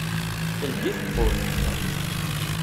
Teldi tewwurt.